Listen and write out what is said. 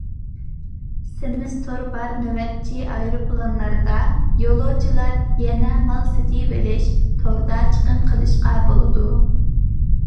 سىمسىز تور بار نۆۋەتچى ئايروپىلانلاردا، يولۇچىلار يەنە مال سېتىۋېلىش، توردا چىقىم قىلىشقا بولىدۇ.